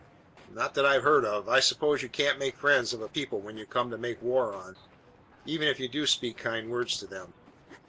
"Not that I've heard of. I suppose you can't make friends of a people whom you come to make war on, even if you do speak kind words to them."